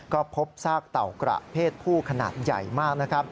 ก็พบซากเต่ากระเพศผู้ขนาดใหญ่มากนะครับ